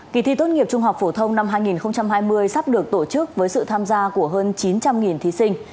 kỳ thi tốt nghiệp trung học phổ thông năm hai nghìn hai mươi sắp được tổ chức với sự tham gia của hơn chín trăm linh thí sinh